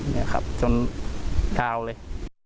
นี่ครับจนดาวเลย